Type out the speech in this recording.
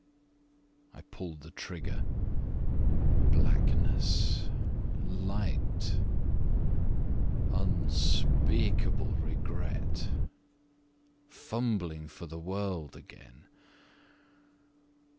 I pulled the trigger ... blackness ... light ... Unspeakable regret ... fumbling for the world again.